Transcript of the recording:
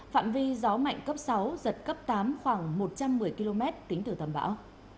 phạm vi gió mạnh cấp sáu giật cấp tám khoảng một trăm một mươi km tính từ tâm bão